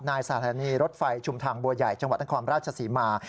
สถานีรถไฟชุมทางบัวใหญ่จังหวัดนครราชศรีมา